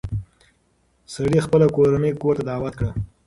سړي خپله کورنۍ کور ته دعوت کړه.